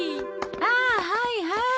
ああはいはい。